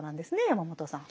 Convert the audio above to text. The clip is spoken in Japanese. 山本さん。